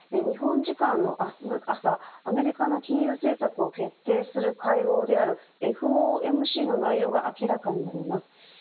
日本時間の明日、朝アメリカの金融政策を決定する会合であるＦＯＭＣの内容が明らかになります。